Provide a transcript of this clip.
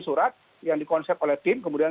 surat yang dikonsep oleh tim kemudian